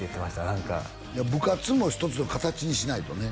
何か部活も一つの形にしないとね